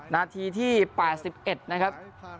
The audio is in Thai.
นาทีที่๘๑นะครับ